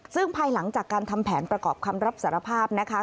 ซึ่งภายหลังจากการทำแผนประกอบคำรับสารภาพนะคะ